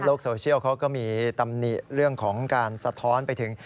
โซเชียลเขาก็มีตำหนิเรื่องของการสะท้อนไปถึง